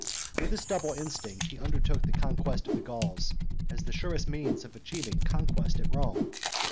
With this double instinct he undertook the conquest of the Gauls as the surest means of achieving conquest at Rome.